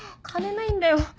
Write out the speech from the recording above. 金ないんだよ。